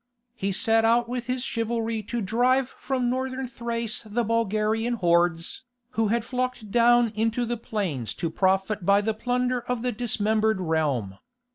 He set out with his chivalry to drive from Northern Thrace the Bulgarian hordes, who had flocked down into the plains to profit by the plunder of the dismembered realm.